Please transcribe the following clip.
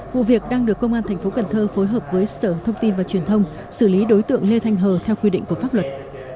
vụ việc đang được công an tp cn phối hợp với sở thông tin và truyền thông xử lý đối tượng lê thanh hờ theo quy định của pháp luật